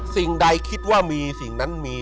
สิ่งใดคิดว่ามีสิ่งนั้นมี